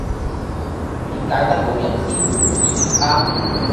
點解得老人先會唔見銀包